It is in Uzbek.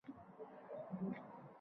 Boshim og'riyapti.